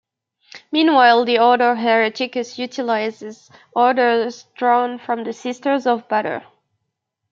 Meanwhile, the Ordo Hereticus utilizes Orders drawn from the Sisters of Battle.